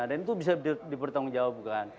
dan itu bisa dipertanggungjawabkan